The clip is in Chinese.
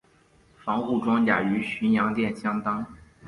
防护装甲与巡洋舰相当。